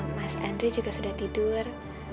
mas andri juga sudah tidur